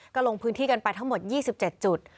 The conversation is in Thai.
ก็ลงพื้นที่กันไปทั้งหมด๒๗จุด